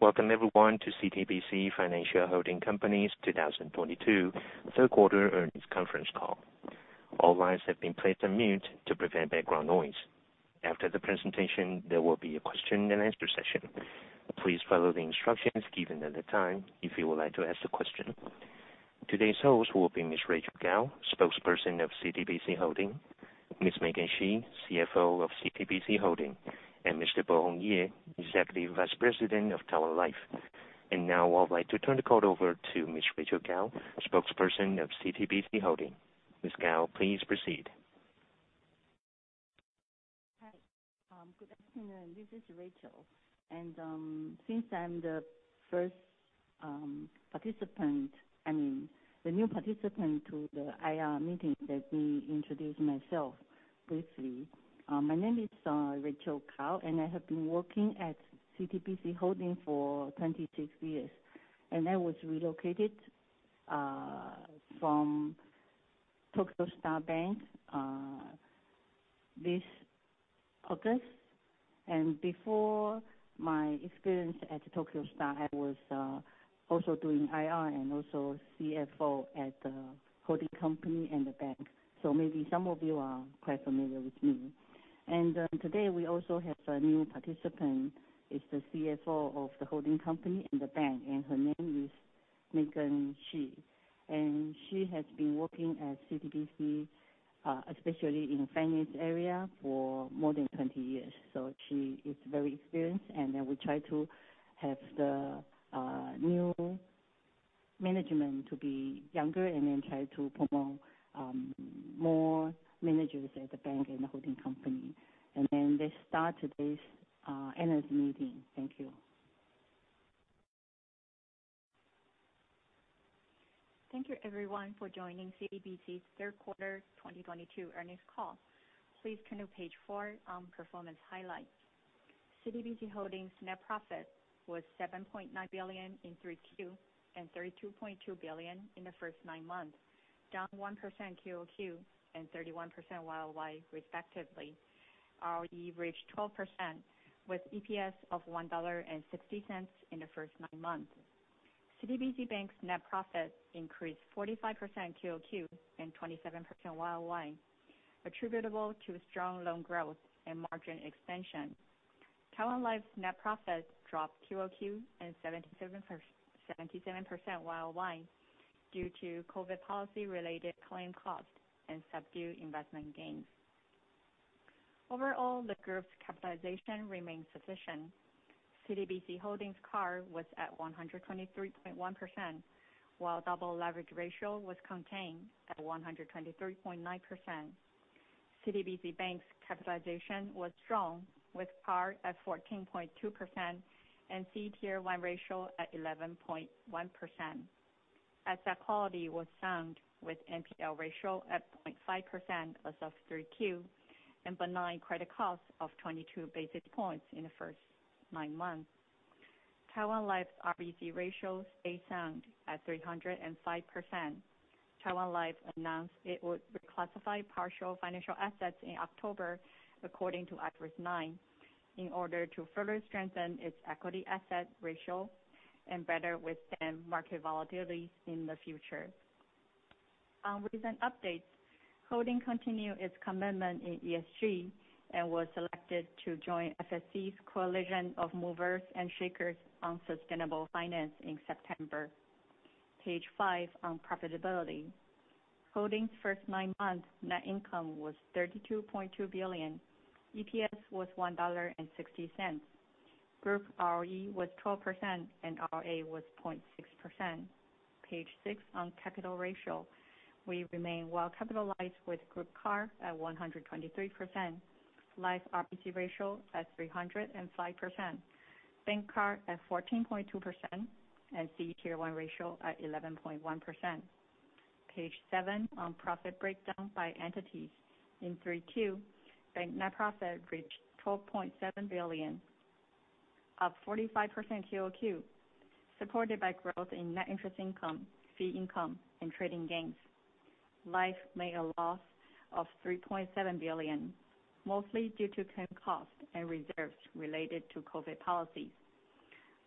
Welcome everyone to CTBC Financial Holding Company’s 2022 third quarter earnings conference call. All lines have been placed on mute to prevent background noise. After the presentation, there will be a question and answer session. Please follow the instructions given at the time if you would like to ask a question. Today’s host will be Ms. Rachael Kao, Spokesperson of CTBC Holding, Ms. Megan Shih, CFO of CTBC Holding, and Mr. Bohong Yei, Executive Vice President of Taiwan Life. Now I would like to turn the call over to Ms. Rachael Kao, Spokesperson of CTBC Holding. Ms. Kao, please proceed. Hi. Good afternoon. This is Rachael. Since I’m the first participant, I mean, the new participant to the IR meeting, let me introduce myself briefly. My name is Rachael Kao, I have been working at CTBC Holding for 26 years, I was relocated from Tokyo Star Bank this August. Before my experience at Tokyo Star, I was also doing IR and also CFO at the holding company and the bank. Maybe some of you are quite familiar with me. Today we also have a new participant, is the CFO of the holding company and the bank, her name is Megan Shih. She has been working at CTBC, especially in finance area, for more than 20 years. She is very experienced, we try to have the new management to be younger and try to promote more managers at the bank and the holding company. Let’s start today’s earnings meeting. Thank you. Thank you everyone for joining CTBC’s third quarter 2022 earnings call. Please turn to page four on performance highlights. CTBC Holding’s net profit was 7.9 billion in Q3 and 32.2 billion in the first nine months, down 1% quarter-over-quarter and 31% year-over-year respectively. ROE reached 12%, with EPS of 1.60 dollar in the first nine months. CTBC Bank’s net profit increased 45% quarter-over-quarter and 27% year-over-year, attributable to strong loan growth and margin expansion. Taiwan Life’s net profit dropped quarter-over-quarter and 77% year-over-year due to COVID policy related claim costs and subdued investment gains. Overall, the group’s capitalization remains sufficient. CTBC Holding’s CAR was at 123.1%, while double leverage ratio was contained at 123.9%. CTBC Bank’s capitalization was strong, with CAR at 14.2% and CET1 ratio at 11.1%. Asset quality was sound, with NPL ratio at 0.5% as of Q3, and benign credit costs of 22 basis points in the first nine months. Taiwan Life's RBC ratio stayed sound at 305%. Taiwan Life announced it would reclassify partial financial assets in October according to IFRS 9, in order to further strengthen its equity asset ratio and better withstand market volatility in the future. Holding continue its commitment in ESG and was selected to join FSC's Coalition of Movers and Shakers on Sustainable Finance in September. Page five, on profitability. Holding's first nine months net income was 32.2 billion. EPS was 1.60 dollar. Group ROE was 12% and ROA was 0.6%. Page six, on capital ratio. We remain well capitalized with group CAR at 123%, Life RBC ratio at 305%, Bank CAR at 14.2%, and CET1 ratio at 11.1%. Page seven, on profit breakdown by entities. In Q3, Bank net profit reached 12.7 billion, up 45% quarter-over-quarter, supported by growth in net interest income, fee income, and trading gains. Life made a loss of 3.7 billion, mostly due to claim costs and reserves related to COVID policies.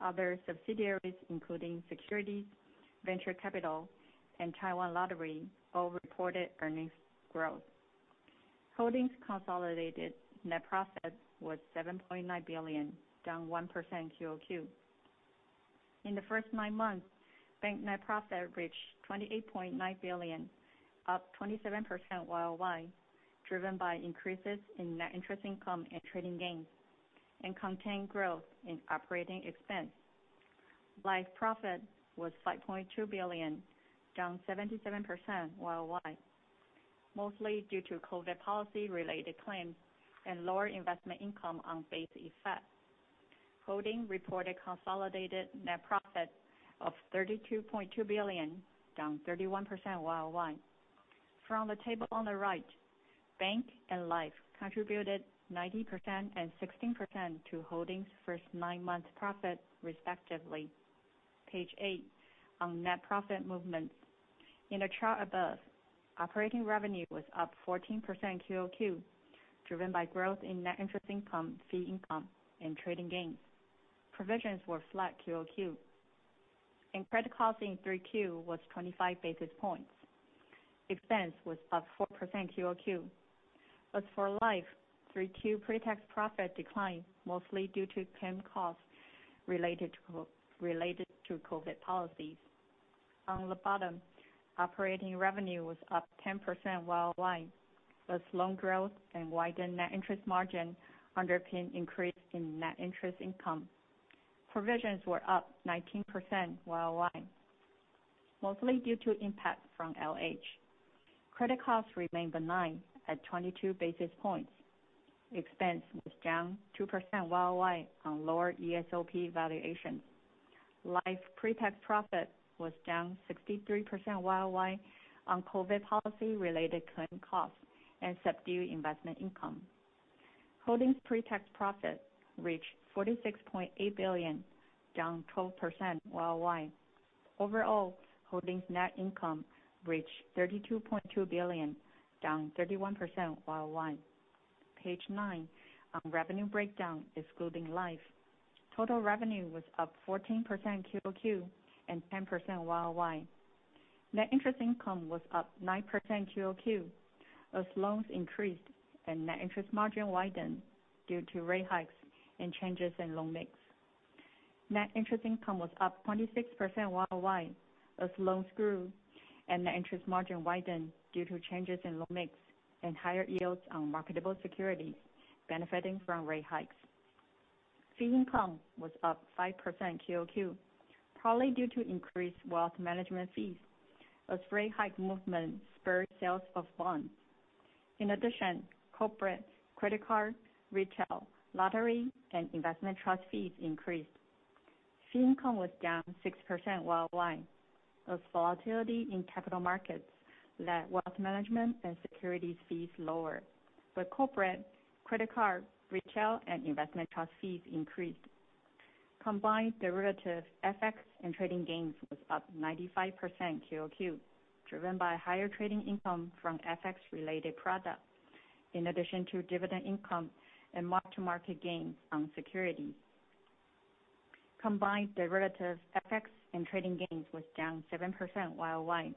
Other subsidiaries, including securities, venture capital, and Taiwan Lottery, all reported earnings growth. Holding's consolidated net profit was 7.9 billion, down 1% quarter-over-quarter. In the first nine months, Bank net profit reached 28.9 billion, up 27% year-over-year, driven by increases in net interest income and trading gains, and contained growth in operating expense. Life profit was 5.2 billion, down 77% year-over-year, mostly due to COVID policy related claims and lower investment income on base effect. Holding reported consolidated net profit of 32.2 billion, down 31% year-over-year. From the table on the right, Bank and Life contributed 90% and 16% to Holding's first nine-month profit respectively. Page eight on net profit movements. In the chart above, operating revenue was up 14% quarter-over-quarter, driven by growth in net interest income, fee income, and trading gains. Provisions were flat quarter-over-quarter, and credit costing in 3Q was 25 basis points. Expense was up 4% quarter-over-quarter. As for Life, 3Q pre-tax profit declined mostly due to claim costs related to COVID policies. On the bottom, operating revenue was up 10% year-over-year as loan growth and widened net interest margin underpinned increase in net interest income. Provisions were up 19% year-over-year, mostly due to impact from LH. Credit costs remained benign at 22 basis points. Expense was down 2% year-over-year on lower ESOP valuation. Life pre-tax profit was down 63% year-over-year on COVID policy related claim costs and subdued investment income. Holding's pre-tax profit reached 46.8 billion, down 12% year-over-year. Overall, Holding's net income reached TWD 32.2 billion, down 31% year-over-year. Page nine on revenue breakdown excluding Life. Total revenue was up 14% quarter-over-quarter and 10% year-over-year. Net interest income was up 9% quarter-over-quarter as loans increased and net interest margin widened due to rate hikes and changes in loan mix. Net interest income was up 26% year-over-year as loans grew and net interest margin widened due to changes in loan mix and higher yields on marketable securities benefiting from rate hikes. Fee income was up 5% quarter-over-quarter, probably due to increased wealth management fees, as rate hike movement spurred sales of bonds. In addition, corporate, credit card, retail, lottery, and investment trust fees increased. Fee income was down 6% YOY as volatility in capital markets led wealth management and securities fees lower. Corporate, credit card, retail, and investment trust fees increased. Combined derivatives, FX and trading gains was up 95% QOQ, driven by higher trading income from FX related products, in addition to dividend income and mark to market gains on securities. Combined derivatives, FX and trading gains was down 7% YOY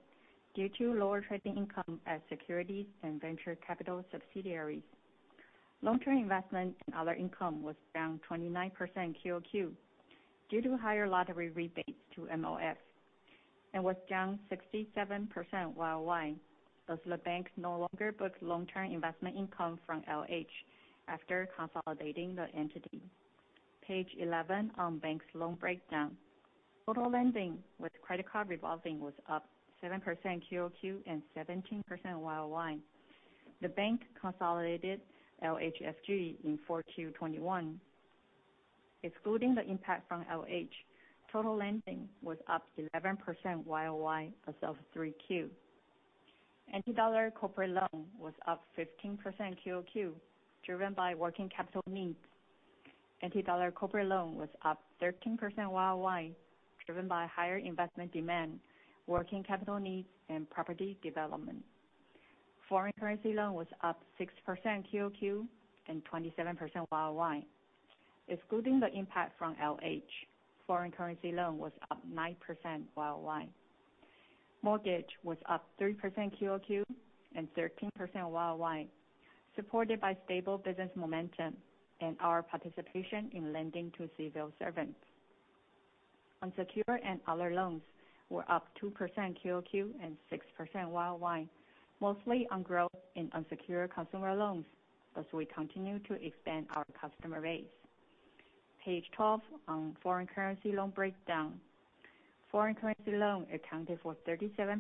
due to lower trading income at securities and venture capital subsidiaries. Long-term investment and other income was down 29% QOQ due to higher lottery rebates to MOF, and was down 67% YOY as the bank no longer books long-term investment income from LH after consolidating the entity. Page 11 on bank's loan breakdown. Total lending with credit card revolving was up 7% QOQ and 17% YOY. The bank consolidated LHFG in 4Q 2021. Excluding the impact from LH, total lending was up 11% YOY as of 3Q. NT dollar corporate loan was up 15% QOQ, driven by working capital needs. NT dollar corporate loan was up 13% YOY, driven by higher investment demand, working capital needs, and property development. Foreign currency loan was up 6% QOQ and 27% YOY. Excluding the impact from LH, foreign currency loan was up 9% YOY. Mortgage was up 3% QOQ and 13% YOY, supported by stable business momentum and our participation in lending to civil servants. Unsecured and other loans were up 2% QOQ and 6% YOY, mostly on growth in unsecured consumer loans as we continue to expand our customer base. Page 12 on foreign currency loan breakdown. Foreign currency loan accounted for 37%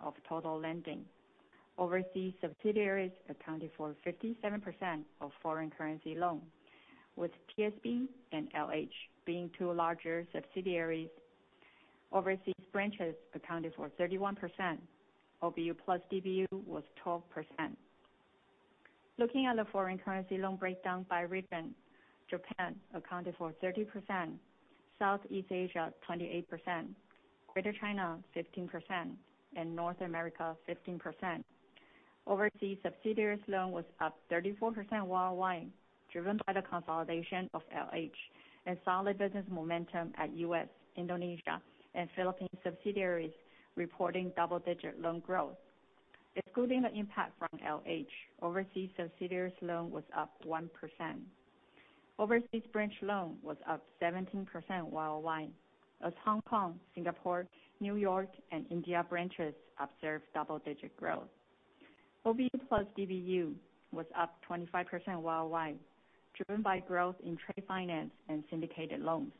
of total lending. Overseas subsidiaries accounted for 57% of foreign currency loan, with TSB and LH being two larger subsidiaries. Overseas branches accounted for 31%, OBU plus DBU was 12%. Looking at the foreign currency loan breakdown by region, Japan accounted for 30%, Southeast Asia 28%, Greater China 15%, and North America 15%. Overseas subsidiaries loan was up 34% YOY, driven by the consolidation of LH and solid business momentum at U.S., Indonesia, and Philippine subsidiaries reporting double-digit loan growth. Excluding the impact from LH, overseas subsidiaries loan was up 1%. Overseas branch loan was up 17% YOY, as Hong Kong, Singapore, New York, and India branches observed double-digit growth. OBU plus DBU was up 25% YOY, driven by growth in trade finance and syndicated loans.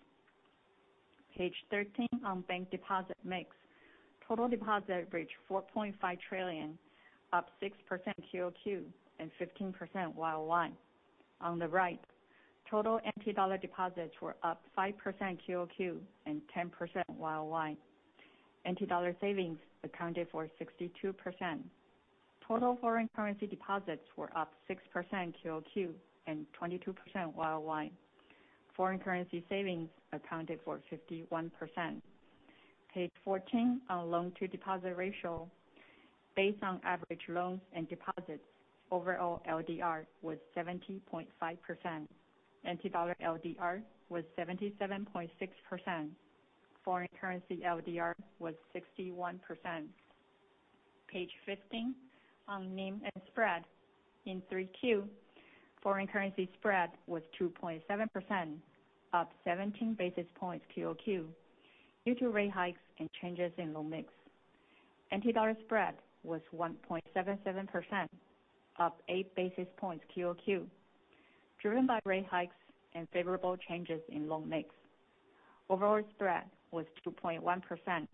Page 13 on bank deposit mix. Total deposit reached 4.5 trillion, up 6% QOQ and 15% YOY. On the right, total NT dollar deposits were up 5% QOQ and 10% YOY. NT dollar savings accounted for 62%. Total foreign currency deposits were up 6% QOQ and 22% YOY. Foreign currency savings accounted for 51%. Page 14, on loan-to-deposit ratio. Based on average loans and deposits, overall LDR was 70.5%, NT dollar LDR was 77.6%, foreign currency LDR was 61%. Page 15, on NIM and spread. In 3Q, foreign currency spread was 2.7%, up 17 basis points QOQ due to rate hikes and changes in loan mix. NT dollar spread was 1.77%, up eight basis points QOQ, driven by rate hikes and favorable changes in loan mix. Overall spread was 2.1%,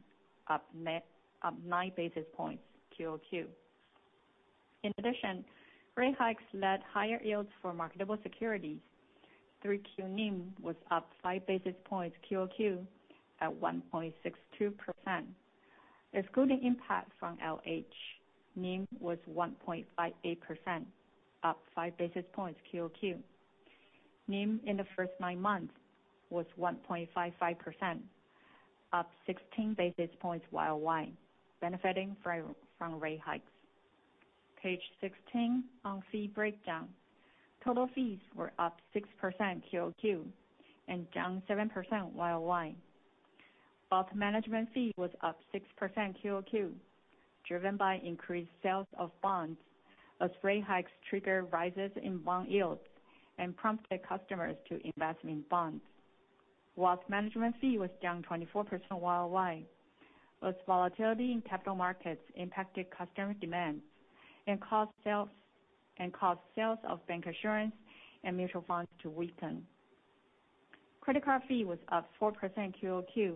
up nine basis points QOQ. In addition, rate hikes led higher yields for marketable securities. 3Q NIM was up five basis points QOQ at 1.62%. Excluding impact from LH, NIM was 1.58%, up five basis points QOQ. NIM in the first nine months was 1.55%, up 16 basis points YOY, benefiting from rate hikes. Page 16, on fee breakdown. Total fees were up 6% QOQ and down 7% YOY. Wealth management fee was up 6% QOQ, driven by increased sales of bonds as rate hikes triggered rises in bond yields and prompted customers to invest in bonds. Wealth management fee was down 24% YOY as volatility in capital markets impacted customer demands and caused sales of bancassurance and mutual funds to weaken. Credit card fee was up 4% QOQ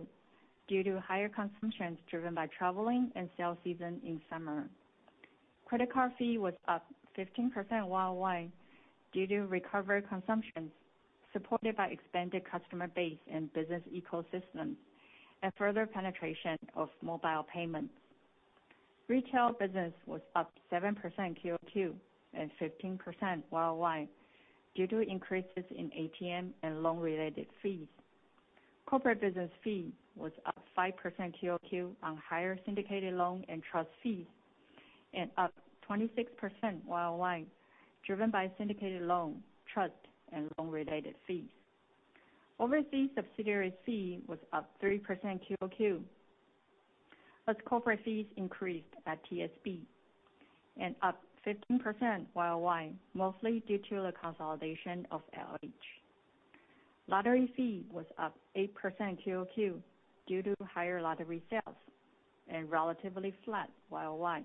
due to higher consumptions driven by traveling and sale season in summer. Credit card fee was up 15% YOY due to recovery consumptions supported by expanded customer base and business ecosystem and further penetration of mobile payments. Retail business was up 7% QOQ and 15% YOY due to increases in ATM and loan-related fees. Corporate business fee was up 5% QOQ on higher syndicated loan and trust fees, and up 26% YOY, driven by syndicated loan, trust, and loan-related fees. Overseas subsidiary fee was up 3% QOQ as corporate fees increased at TSB, and up 15% YOY mostly due to the consolidation of LH. Lottery fee was up 8% QOQ due to higher lottery sales and relatively flat YOY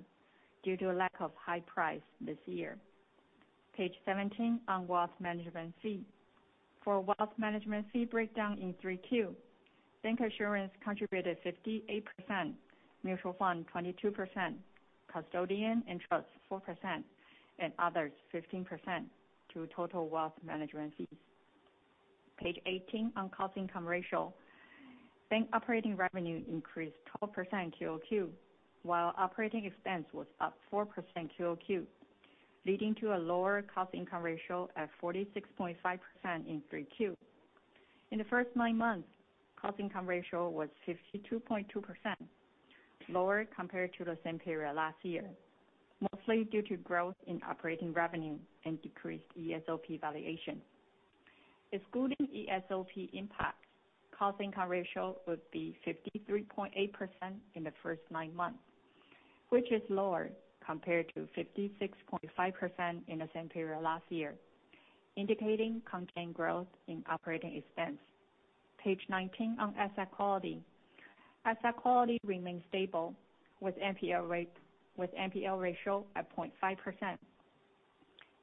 due to lack of high price this year. Page 17 on wealth management fee. For wealth management fee breakdown in three Q, bancassurance contributed 58%, mutual fund 22%, custodian and trust 4%, and others 15% to total wealth management fees. Page 18 on cost income ratio. Bank operating revenue increased 12% QOQ while operating expense was up 4% QOQ, leading to a lower cost income ratio at 46.5% in three Q. In the first nine months, cost income ratio was 52.2%, lower compared to the same period last year, mostly due to growth in operating revenue and decreased ESOP valuation. Excluding ESOP impact, cost income ratio would be 53.8% in the first nine months, which is lower compared to 56.5% in the same period last year, indicating contained growth in operating expense. Page 19 on asset quality. Asset quality remains stable with NPL ratio at 0.5%.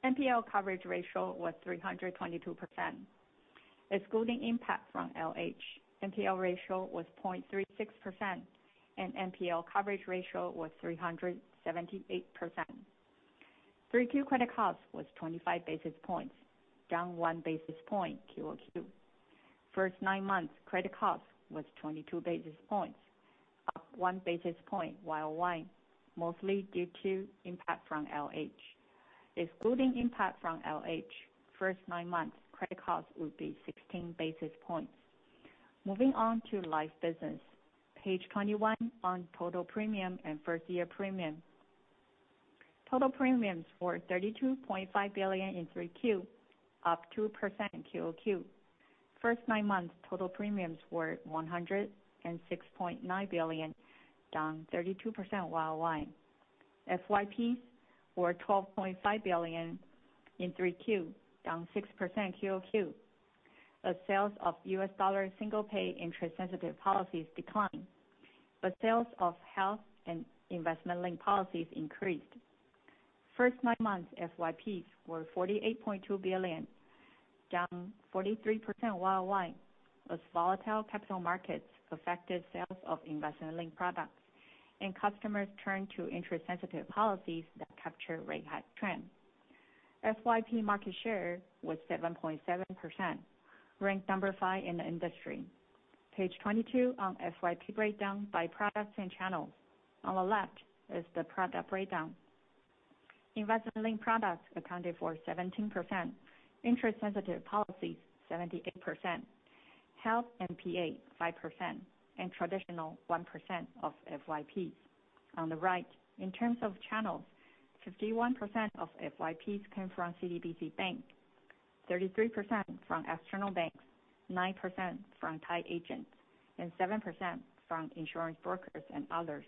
NPL coverage ratio was 322%. Excluding impact from LH, NPL ratio was 0.36%, and NPL coverage ratio was 378%. Three Q credit cost was 25 basis points, down one basis point QOQ. First nine months credit cost was 22 basis points, up one basis point YOY, mostly due to impact from LH. Excluding impact from LH, first nine months credit cost would be 16 basis points. Moving on to life business. Page 21 on total premium and first-year premium. Total premiums were 32.5 billion in three Q, up 2% QOQ. First nine months, total premiums were 106.9 billion, down 32% YOY. FYPs were 12.5 billion in three Q, down 6% QOQ. The sales of US dollar single-pay interest-sensitive policies declined, but sales of health and investment-linked policies increased. First nine months FYPs were 48.2 billion, down 43% YOY as volatile capital markets affected sales of investment-linked products and customers turned to interest-sensitive policies that capture rate hike trend. FYP market share was 7.7%, ranked number five in the industry. Page 22 on FYP breakdown by products and channels. On the left is the product breakdown. Investment-linked products accounted for 17%, interest-sensitive policies, 78%, health MPA, 5%, and traditional, 1% of FYPs. On the right, in terms of channels, 51% of FYPs came from CTBC Bank, 33% from external banks, 9% from tied agents, and 7% from insurance brokers and others.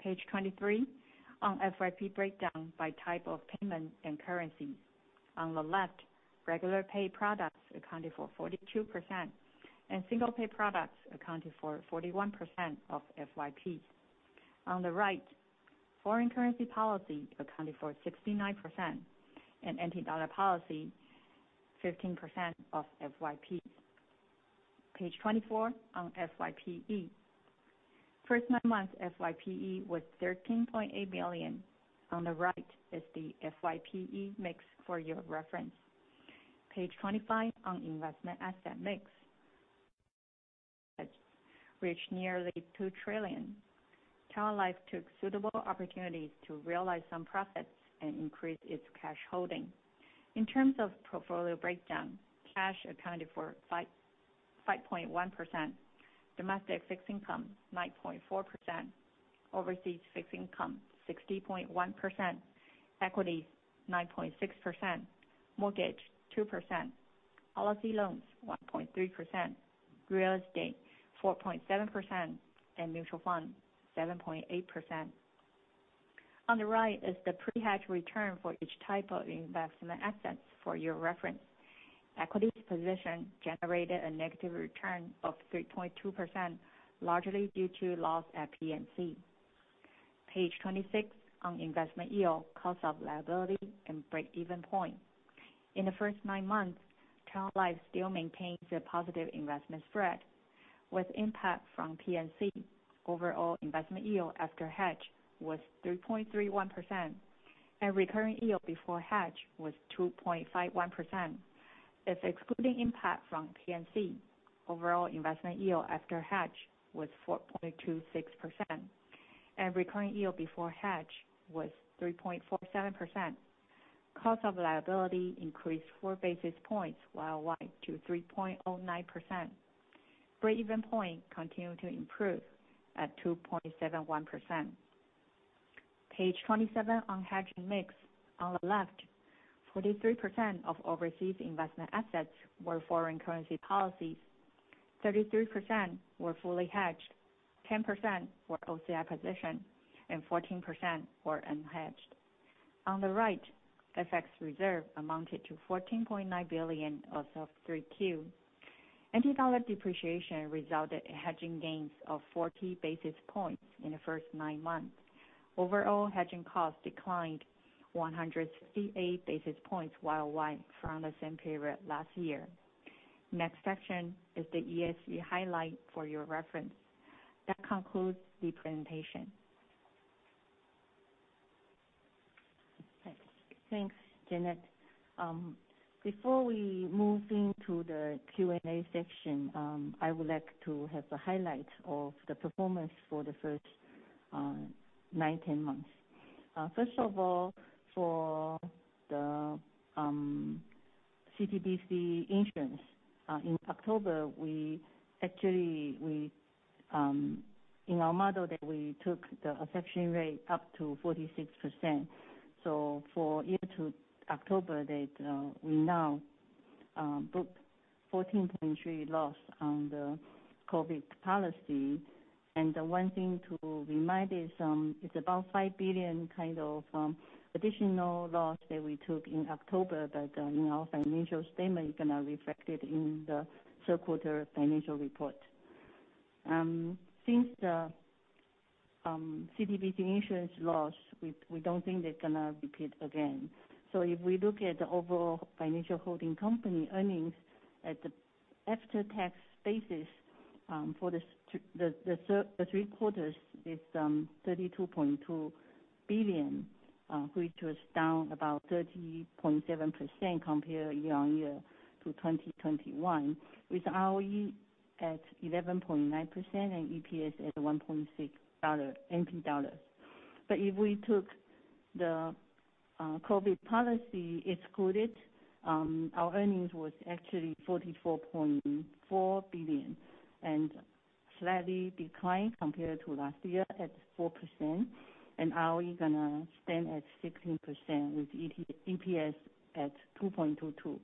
Page 23 on FYP breakdown by type of payment and currency. On the left, regular-pay products accounted for 42%, and single-pay products accounted for 41% of FYPs. On the right, foreign currency policy accounted for 69%, and NT dollar policy, 15% of FYPs. Page 24 on FYPE. First nine months FYPE was 13.8 billion. On the right is the FYPE mix for your reference. Page 25 on investment asset mix. reached nearly 2 trillion. Taiwan Life took suitable opportunities to realize some profits and increase its cash holding. In terms of portfolio breakdown, cash accounted for 5.1%, domestic fixed income, 9.4%, overseas fixed income, 60.1%, equities, 9.6%, mortgage, 2%, policy loans, 1.3%, real estate, 4.7%, and mutual funds, 7.8%. On the right is the pre-hedge return for each type of investment assets for your reference. Equities position generated a negative return of 3.2%, largely due to loss at P&C. Page 26 on investment yield, cost of liability, and breakeven point. In the first nine months, Taiwan Life still maintains a positive investment spread. With impact from P&C, overall investment yield after hedge was 3.31%, and recurring yield before hedge was 2.51%. If excluding impact from P&C, overall investment yield after hedge was 4.26%, and recurring yield before hedge was 3.47%. Cost of liability increased four basis points year-wide to 3.09%. Breakeven point continued to improve at 2.71%. Page 27 on hedging mix. On the left, 43% of overseas investment assets were foreign currency policies, 33% were fully hedged, 10% were OCI position, and 14% were unhedged. On the right, FX reserve amounted to 14.9 billion as of 3Q. NT dollar depreciation resulted in hedging gains of 40 basis points in the first nine months. Overall hedging costs declined 158 basis points year-wide from the same period last year. Next section is the ESG highlight for your reference. That concludes the presentation. Thanks, Janet. Before we move into the Q&A section, I would like to have a highlight of the performance for the first nine, 10 months. First of all, for the CTBC Insurance, in October, in our model that we took the infection rate up to 46%. For year to October date, we now book 14.3 billion loss on the COVID policy. The one thing to remind is it's about 5 billion additional loss that we took in October that in our financial statement is going to reflect it in the third quarter financial report. Since the CTBC Insurance loss, we don't think they're going to repeat again. If we look at the overall financial holding company earnings at the after-tax basis for the three quarters is 32.2 billion, which was down about 30.7% compared year-on-year to 2021, with ROE at 11.9% and EPS at NT$1.60. If we took the COVID policy excluded, our earnings was actually 44.4 billion and slightly declined compared to last year at 4%, and now we're going to stand at 16% with EPS at NT$2.22.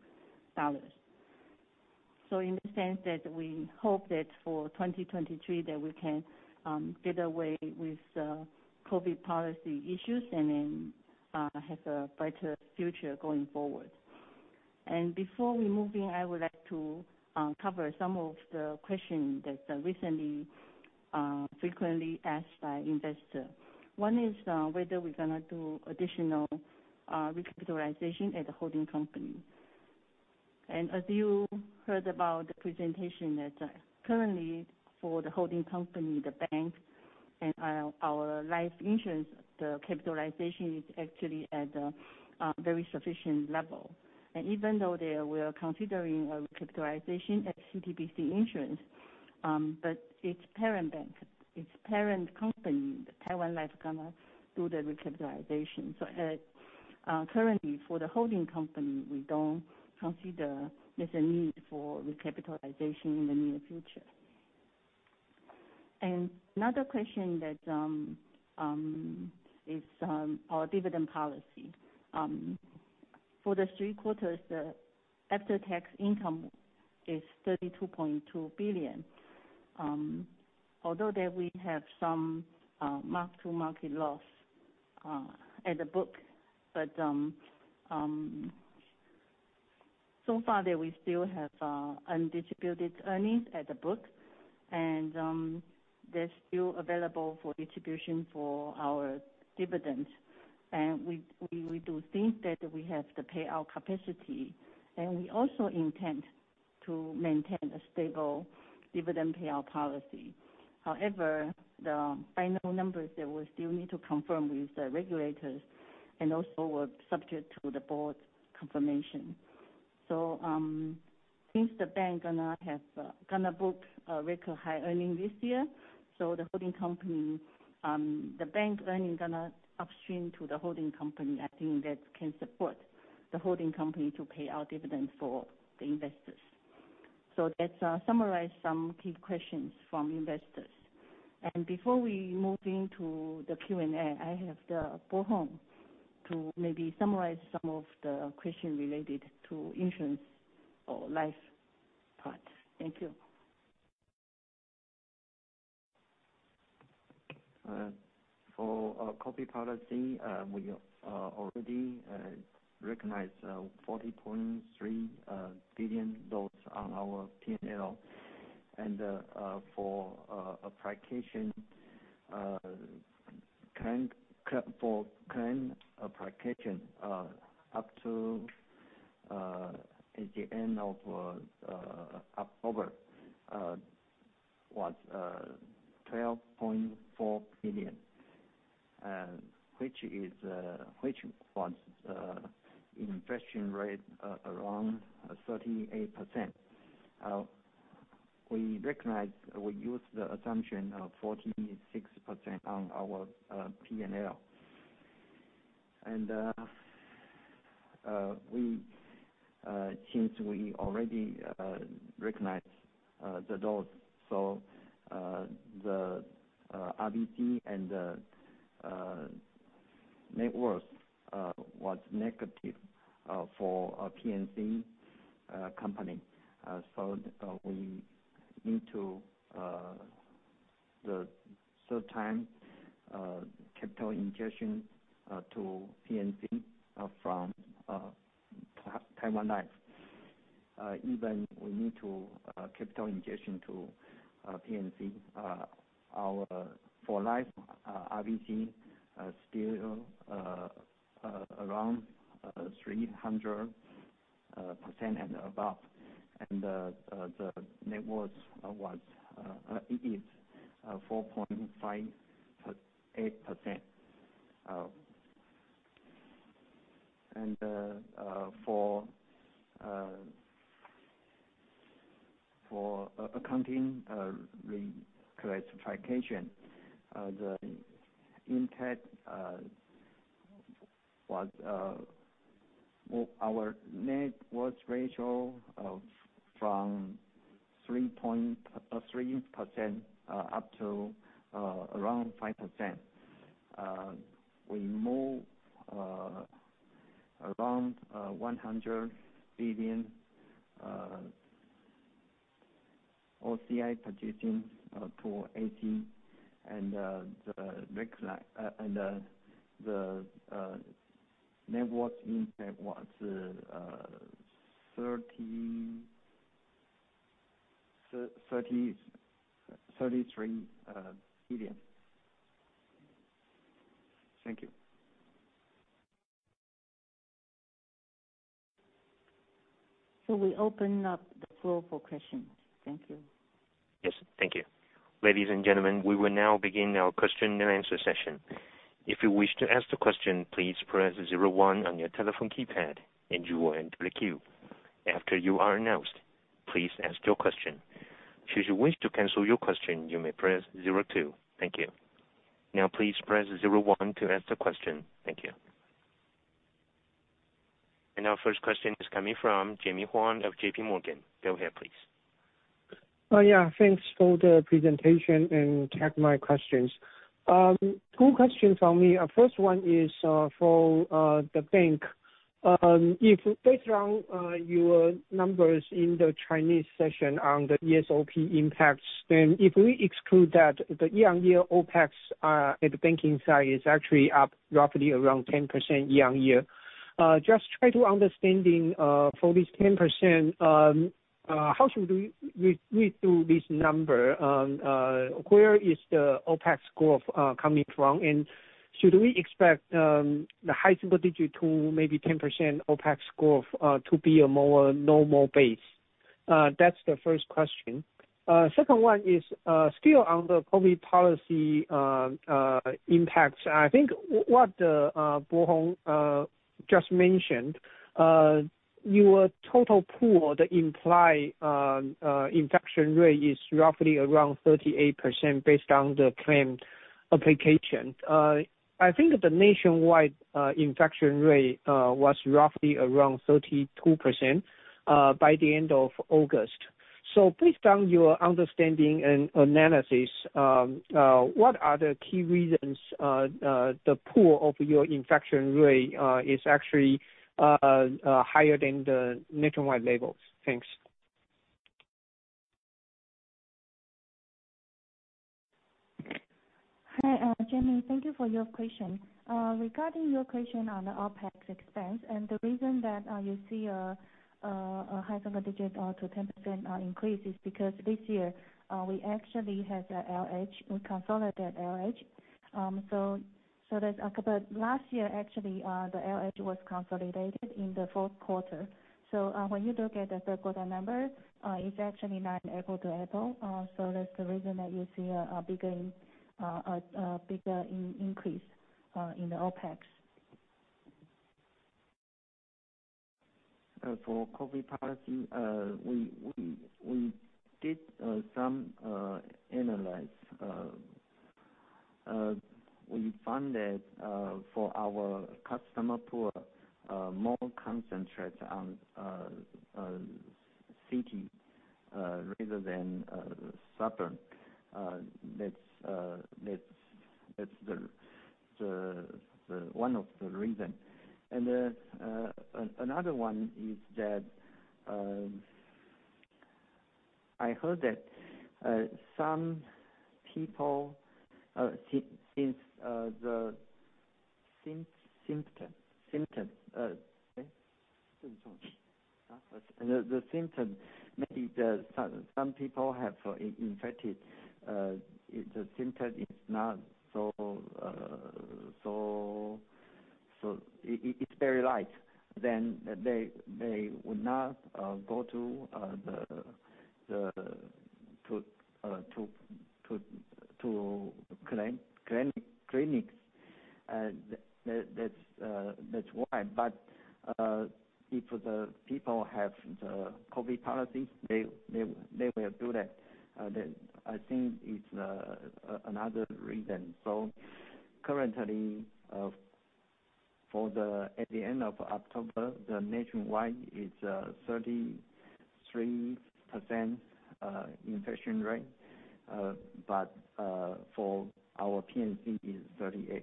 In the sense that we hope that for 2023, that we can get away with COVID policy issues and then have a brighter future going forward. Before we move in, I would like to cover some of the questions that are recently frequently asked by investors. One is whether we're going to do additional recapitalization at the holding company. As you heard about the presentation that currently for the holding company, the bank, and our life insurance, the capitalization is actually at a very sufficient level. Even though we are considering a recapitalization at CTBC Insurance, but its parent company, Taiwan Life, is going to do the recapitalization. Currently, for the holding company, we don't consider there's a need for recapitalization in the near future. Another question that is our dividend policy. For the three quarters, the after-tax income is 32.2 billion. Although there we have some mark-to-market loss at the book. So far, we still have undistributed earnings at the book, and they're still available for distribution for our dividends. We do think that we have the payout capacity, and we also intend to maintain a stable dividend payout policy. However, the final numbers there we still need to confirm with the regulators, and also, were subject to the board's confirmation. Since the bank gonna book a record high earning this year, the bank earning gonna upstream to the holding company, I think that can support the holding company to pay out dividends for the investors. Let's summarize some key questions from investors. Before we move into the Q&A, I have Pai-Hung to maybe summarize some of the questions related to insurance or life parts. Thank you. For COVID policy, we already recognized 40.3 billion on our P&L. For claim application, up to the end of October, was 12.4 million, which was an infection rate around 38%. We use the assumption of 46% on our P&L. Since we already recognized the loss, the RBC and the net worth was negative for P&C company. We into the third time capital injection to P&C from Taiwan Life. Even we need to capital injection to P&C. For life, RBC still around 300% and above, and the net worth is 4.58%. For accounting reclassification, our net worth ratio from 3% up to around 5%. We move around TWD 100 billion OCI positions to AC and the net worth impact was TWD 33 billion. Thank you. We open up the floor for questions. Thank you. Yes. Thank you. Ladies and gentlemen, we will now begin our question and answer session. If you wish to ask the question, please press 01 on your telephone keypad, and you will enter the queue. After you are announced, please ask your question. Should you wish to cancel your question, you may press 02. Thank you. Now, please press 01 to ask the question. Thank you. Our first question is coming from Jamie Huang of J.P. Morgan. Go ahead, please. Yeah. Thanks for the presentation and take my questions. Two questions from me. First one is for the bank. Based on your numbers in the Chinese session on the ESOP impacts, if we exclude that, the year-on-year OpEx at the banking side is actually up roughly around 10% year-on-year. Just try to understanding for this 10%, how should we do this number? Where is the OpEx growth coming from, and should we expect the high single digit to maybe 10% OpEx growth to be a more normal base? That's the first question. Second one is still on the COVID policy impacts. I think what Bohong just mentioned, your total pool, the implied infection rate is roughly around 38% based on the claim application. I think the nationwide infection rate was roughly around 32% by the end of August. Based on your understanding and analysis, what are the key reasons the pool of your infection rate is actually higher than the nationwide levels? Thanks. Hi, Jamie. Thank you for your question. Regarding your question on the OpEx expense and the reason that you see a high single digit or to 10% increase is because this year, we actually consolidated LH. Last year, actually, the LH was consolidated in the fourth quarter. When you look at the third quarter number, it's actually not apple to apple. That's the reason that you see a bigger increase in the OpEx. For COVID policy, we did some analysis. We found that for our customer pool, more concentrate on city rather than southern. That's one of the reason. Another one is that I heard that some people, the symptom, maybe some people have infected, the symptom, it's very light. They would not go to clinics. That's why. If the people have the COVID policies, they will do that. I think it's another reason. Currently, at the end of October, the nationwide is 33% infection rate. For our P&C is 38.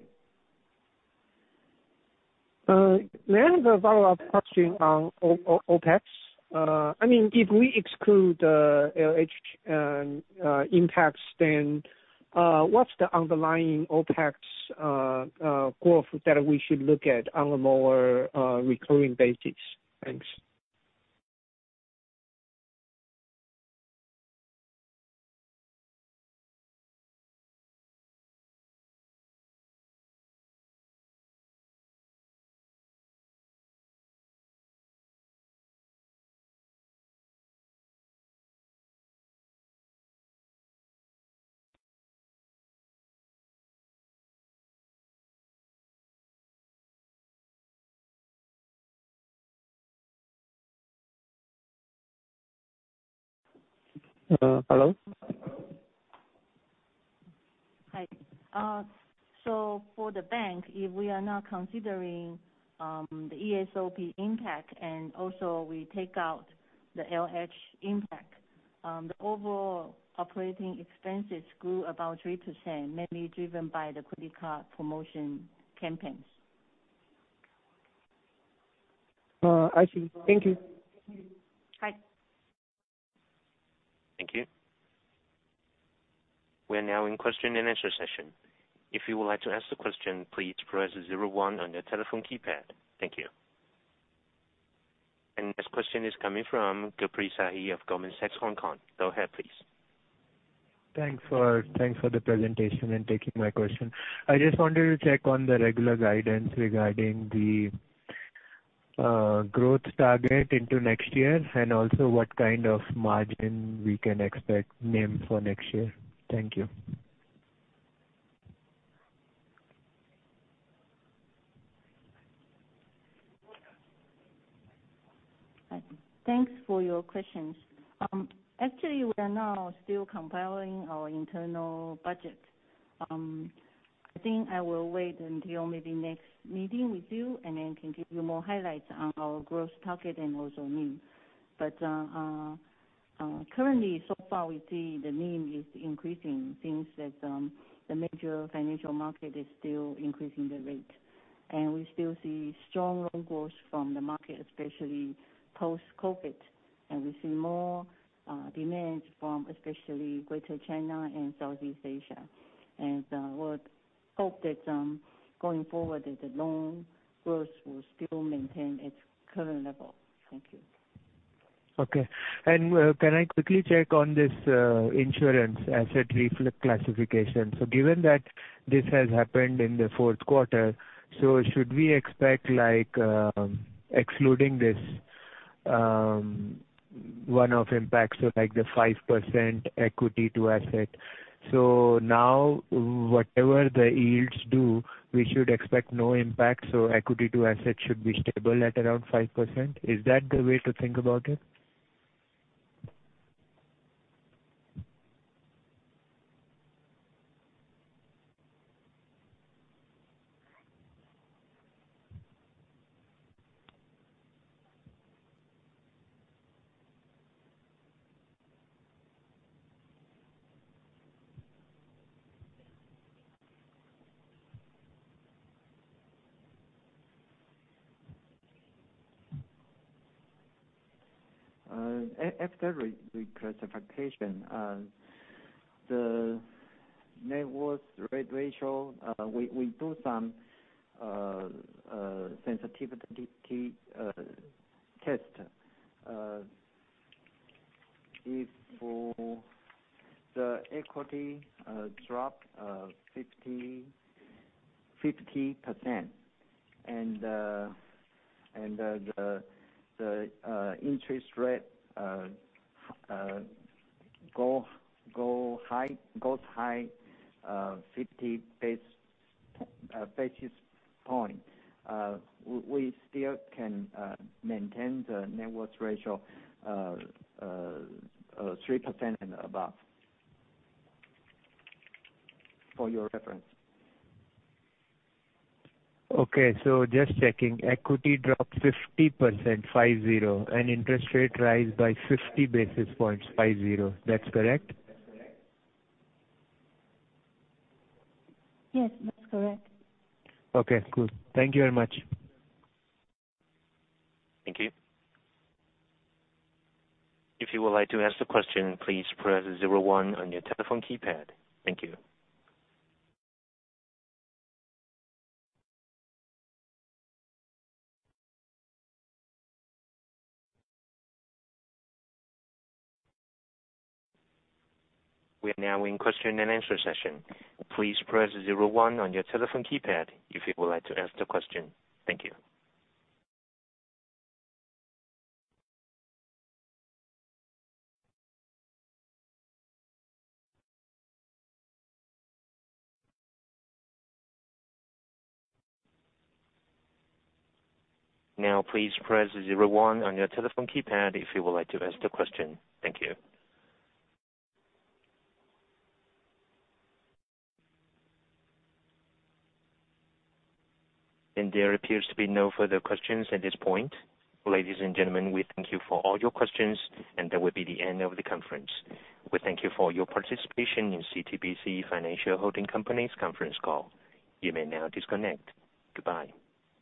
May I have a follow-up question on OpEx? If we exclude LH impacts, what's the underlying OpEx growth that we should look at on a more recurring basis? Thanks. Hello? Hi. For the bank, if we are now considering the ESOP impact and also we take out the LH impact, the overall operating expenses grew about 3%, mainly driven by the credit card promotion campaigns. I see. Thank you. Bye. Thank you. We are now in question and answer session. If you would like to ask the question, please press 01 on your telephone keypad. Thank you. This question is coming from Gabril Sahay of Goldman Sachs, Hong Kong. Go ahead, please. Thanks for the presentation and taking my question. I just wanted to check on the regular guidance regarding the growth target into next year and also what kind of margin we can expect NIM for next year. Thank you. Thanks for your questions. Actually, we are now still compiling our internal budget. I think I will wait until maybe next meeting with you, then can give you more highlights on our growth target and also NIM. Currently, so far, we see the NIM is increasing since the major financial market is still increasing the rate. We still see strong loan growth from the market, especially post-COVID. We see more demands from especially Greater China and Southeast Asia. We'll hope that going forward, that the loan growth will still maintain its current level. Thank you. Okay. Can I quickly check on this insurance asset reclassification? Given that this has happened in the fourth quarter, should we expect, excluding this one-off impact, like the 5% equity to asset. Now whatever the yields do, we should expect no impact, so equity to asset should be stable at around 5%? Is that the way to think about it? After reclassification, the net worth rate ratio, we do some sensitivity test. If the equity dropped 50% and the interest rate goes high 50 basis point, we still can maintain the net worth ratio of 3% and above, for your reference. Okay. Just checking, equity dropped 50%, five, zero, and interest rate rise by 50 basis points, five, zero. That's correct? That's correct. Yes, that's correct. Okay, cool. Thank you very much. Thank you. If you would like to ask the question, please press 01 on your telephone keypad. Thank you. We are now in question and answer session. Please press 01 on your telephone keypad if you would like to ask the question. Thank you. Now, please press 01 on your telephone keypad if you would like to ask the question. Thank you. There appears to be no further questions at this point. Ladies and gentlemen, we thank you for all your questions, and that will be the end of the conference. We thank you for your participation in CTBC Financial Holding Company's conference call. You may now disconnect. Goodbye.